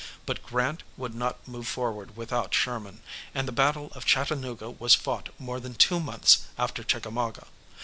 But Grant would not move forward without Sherman, and the battle of Chattanooga was fought more than two months after Chickamauga.